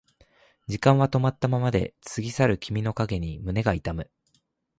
時間は止まったままで過ぎ去る君の影に胸が痛む